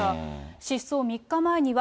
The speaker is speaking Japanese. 失踪３日前には、